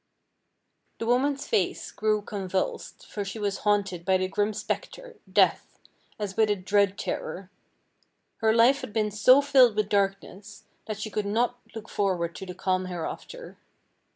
The woman's face grew convulsed for she was haunted by the grim specter, Death, as with a dread terror. Her life had been so filled with darkness, that she could not look forward to the calm hereafter.